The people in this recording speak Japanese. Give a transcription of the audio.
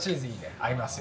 合いますよ。